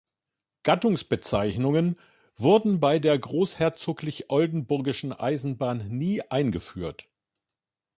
Gattungsbezeichnungen wurden bei der Großherzoglich Oldenburgischen Eisenbahn nie eingeführt.